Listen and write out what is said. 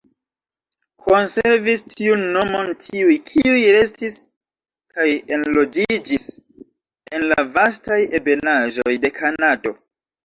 Konservis tiun nomon tiuj, kiuj restis kaj enloĝiĝis en la vastaj ebenaĵoj de Kanado.